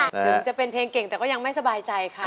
ถึงจะเป็นเพลงเก่งแต่ก็ยังไม่สบายใจค่ะ